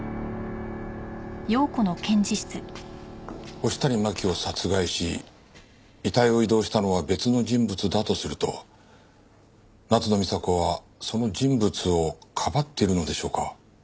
星谷真輝を殺害し遺体を移動したのは別の人物だとすると夏野美紗子はその人物をかばっているのでしょうか？